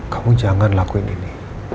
kamu jangan lakuin ini